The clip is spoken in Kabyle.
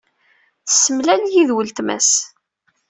Tessemlal-iyi d uletma-s.